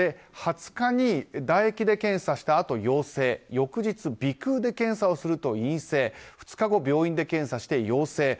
２０日に唾液で検査したあと陽性翌日鼻腔で検査をすると陰性２日後、病院で検査して陽性。